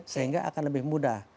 sehingga akan lebih mudah